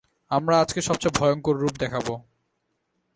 আমরা আজকে সবচেয়ে ভয়ঙ্কর রূপ দেখাবো।